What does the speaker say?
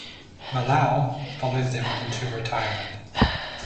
Malou followed them into retirement.